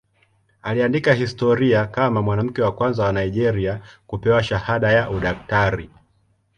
Aliandika historia kama mwanamke wa kwanza wa Nigeria kupewa shahada ya udaktari.